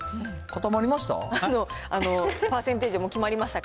固まりました？